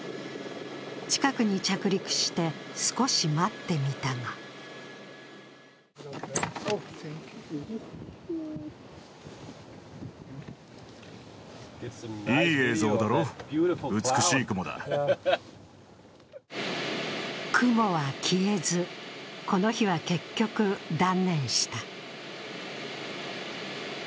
近くに着陸して少し待ってみたが雲は消えず、この日は結局断念した。